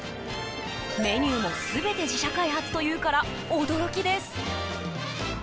メニューも全て自社開発というから驚きです。